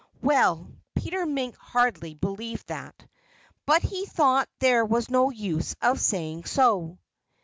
Well, Peter Mink hardly believed that. But he thought there was no use of saying so.